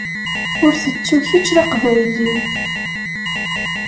Ur tettu kečč d Aqbayli.